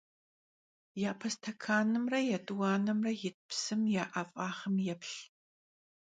Yape stekanımre yêt'uanemre yit psım ya 'ef'ağım yêplh.